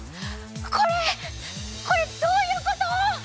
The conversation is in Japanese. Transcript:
これこれどういうこと！？